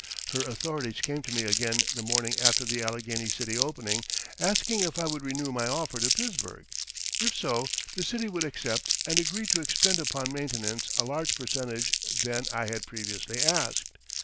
Her authorities came to me again the morning after the Allegheny City opening, asking if I would renew my offer to Pittsburgh. If so, the city would accept and agree to expend upon maintenance a larger percentage than I had previously asked.